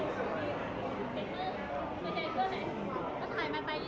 เพลงพี่หวาย